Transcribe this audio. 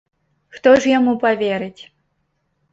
Хто ж яму паверыць?